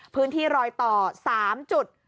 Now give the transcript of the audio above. พื้นที่รอยต่อ๓จุด